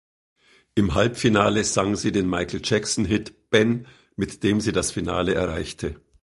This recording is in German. Im Halbfinale sang sie den Michael Jackson-Hit "Ben", mit dem sie das Finale erreichte.